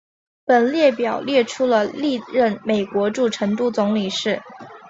本列表列出了历任美国驻成都总领事。